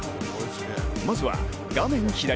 まずは、画面左。